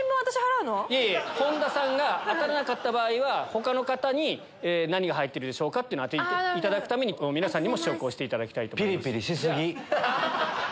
いえいえ本田さんが当たらなかった場合他の方に何が入ってるでしょうか？と当てていただくために皆さんにも試食をしていただきます。